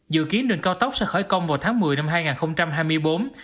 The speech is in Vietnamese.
dự kiến đường cao tốc sẽ khởi công vào tháng một mươi năm hai nghìn hai mươi bốn